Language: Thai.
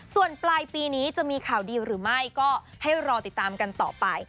ส่วนปลายปีนี้จะมีข่าวดีหรือไม่ก็ให้รอติดตามกันต่อไป